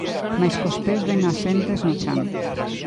Mais cos pés ben asentes no chan.